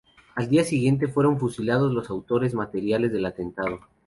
Al día siguiente fueron fusilados los autores materiales del atentado.